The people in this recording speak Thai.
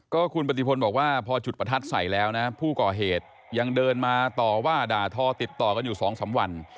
ก็คุณปฏิพลบอกว่าพอจุดประทัดใส่แล้วนะผู้ก่อเหตุยังเดินมาต่อว่าด่าทอติดต่อกันอยู่๒๓วัน